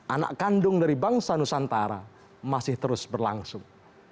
anak kandung dari bangsa nusantara masih terus berlangsung